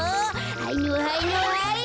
はいのはいのはい。